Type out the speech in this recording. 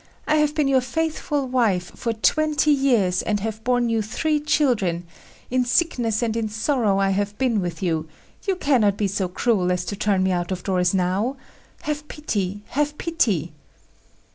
I have been your faithful wife for twenty years, and have borne you three children; in sickness and in sorrow I have been with you; you cannot be so cruel as to turn me out of doors now. Have pity! have pity!"